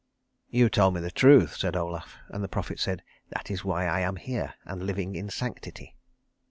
"You told me the truth," said Olaf; and the prophet said, "That is why I am here and living in sanctity."